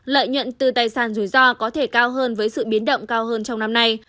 lợi nhận từ tài sản rủi ro có thể cao hơn với sự biến động cao hơn trong năm nay